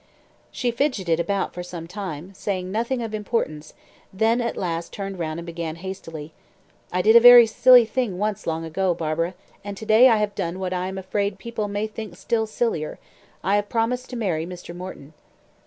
She fidgeted about for some time, saying nothing of importance, then at last turned round and began hastily "I did a very silly thing once long ago, Barbara, and to day I have done what I am afraid people may think still sillier I have promised to marry Mr. Morton."